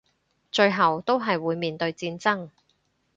最後都係會面對戰爭